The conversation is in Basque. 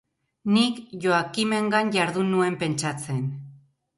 Nik Joachimengan jardun nuen pentsatzen.